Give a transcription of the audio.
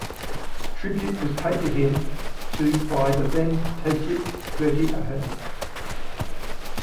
Tribute was paid to him to by the then Taoiseach Bertie Ahern.